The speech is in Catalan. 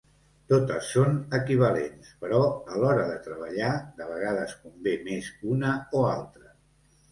Totes són equivalents, però a l'hora de treballar de vegades convé més una o altra.